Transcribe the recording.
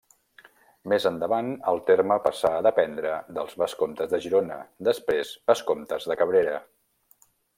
Més endavant el terme passà a dependre dels vescomtes de Girona, després vescomtes de Cabrera.